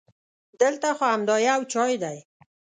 دلته خو همدا یو چای دی.